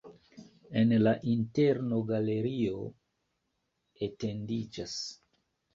En la interno galerio etendiĝas.